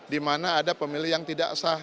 di mana ada pemilih yang tidak sah